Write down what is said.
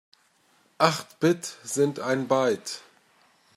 Acht Bit sind ein Byte.